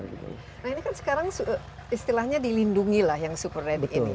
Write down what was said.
nah ini kan sekarang istilahnya dilindungilah yang super red ini